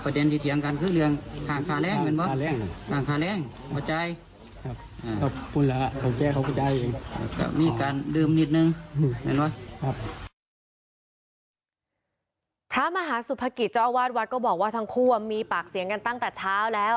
พระมหาสุภกิจเจ้าอาวาสวัดก็บอกว่าทั้งคู่มีปากเสียงกันตั้งแต่เช้าแล้ว